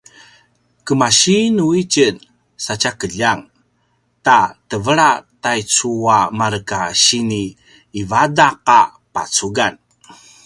kemasinu tjen sa tja keljang ta tevela taicu a marka sini ivadaq a pacugan?